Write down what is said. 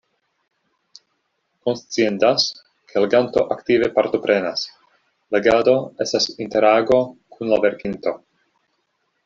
Konsciendas, ke leganto aktive partoprenas: legado estas interago kun la verkinto.